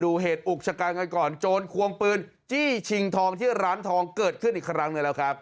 เหตุอุกชะกันกันก่อนโจรควงปืนจี้ชิงทองที่ร้านทองเกิดขึ้นอีกครั้งหนึ่งแล้วครับ